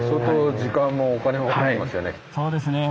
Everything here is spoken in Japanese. そうですね。